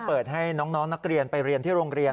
เปิดให้น้องนักเรียนไปเรียนที่โรงเรียน